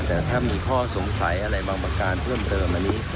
แต่ถ้ามีข้อสงสัยอะไรบางประการเพิ่มเติมอันนี้